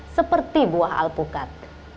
seperti buah alpukat